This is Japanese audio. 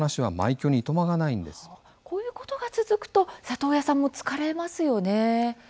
こういうことが続くと里親さんも疲れますよね。